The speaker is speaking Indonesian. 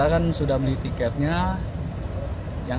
kita kan sudah beli tiketnya